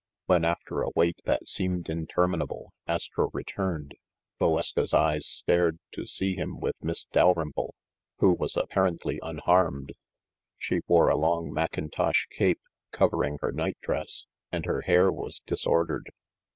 When, after a wait that seemed interminable, As tro returned, Valeska's eyes stared to see him with Miss Dalrymple, who was apparently unharmed. She wore a long mackintosh cape, covering her night dress, and her hair was disordered.